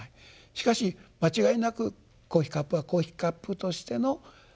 しかし間違いなくコーヒーカップはコーヒーカップとしての働き。